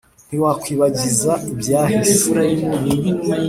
ntawakwibagiza ibyahise